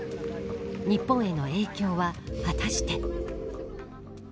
日本への影響は果たして。